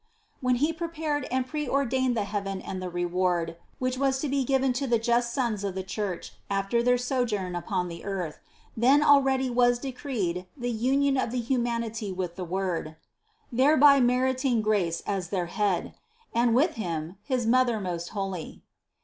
When He prepared and preordained the heaven and the reward, which was to be given to the just sons of the Church after their sojourn upon the earth, then already was decreed the union of the humanity with the Word, thereby meriting grace as their Head ; and with Him his Mother most holy.